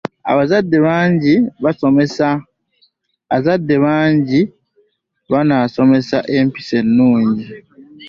Bazadde bange bansomesa empisa ennungi.